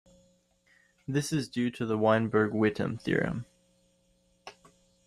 This is due to the Weinberg-Witten theorem.